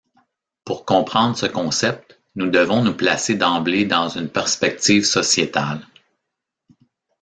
Pour comprendre ce concept, nous devons nous placer d'emblée dans une perspective sociétale.